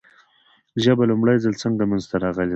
ژبه لومړی ځل څنګه منځ ته راغلې ده ؟